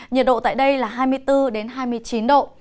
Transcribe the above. nhiệt độ tại đây là hai mươi bốn hai mươi chín độ